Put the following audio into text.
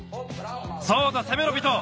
そうだせめろビト。